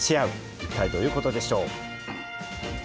一体どういうことでしょう。